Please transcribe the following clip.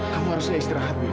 kamu harusnya istirahat camilla